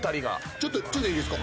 ちょっといいですか？